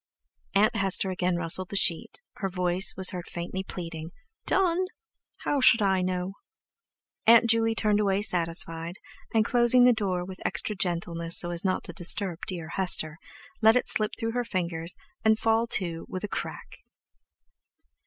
Aunt Hester again rustled the sheet, her voice was heard faintly pleading: "Done? How should I know?" Aunt Juley turned away satisfied, and closing the door with extra gentleness so as not to disturb dear Hester, let it slip through her fingers and fall to with a "crack."